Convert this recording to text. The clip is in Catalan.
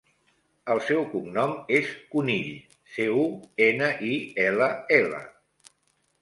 El seu cognom és Cunill: ce, u, ena, i, ela, ela.